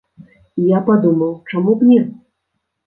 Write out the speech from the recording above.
І я падумаў, чаму б не?